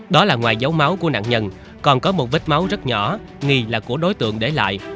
đó là ngoài dấu máu của nạn nhân còn có một vết máu rất nhỏ nghi là của đối tượng để lại